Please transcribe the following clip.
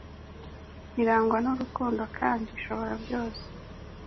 irangwa n’urukundo kandi ishobora byose,